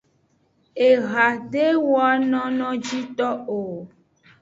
Eha de wano nojito o.